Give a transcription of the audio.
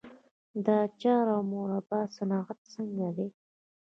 د اچار او مربا صنعت څنګه دی؟